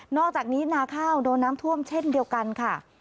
อกจากนี้นาข้าวโดนน้ำท่วมเช่นเดียวกันค่ะ